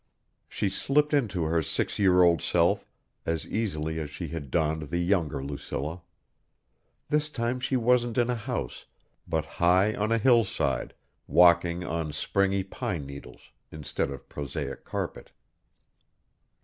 She slipped into her six year old self as easily as she had donned the younger Lucilla. This time she wasn't in a house, but high on a hillside, walking on springy pine needles instead of prosaic carpet.